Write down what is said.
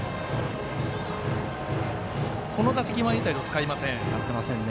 この打席はインサイド使いません。